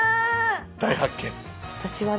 大発見！